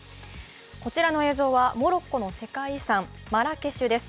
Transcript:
こちらの映像はモロッコの世界遺産・マラケシュです。